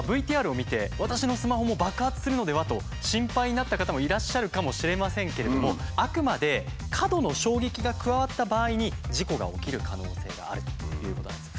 ＶＴＲを見て私のスマホも爆発するのでは？と心配になった方もいらっしゃるかもしれませんけれどもあくまで過度の衝撃が加わった場合に事故が起きる可能性があるということなんです。